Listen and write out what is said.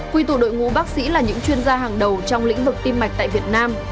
quy tụ đội ngũ bác sĩ là những chuyên gia hàng đầu trong lĩnh vực tim mạch tại việt nam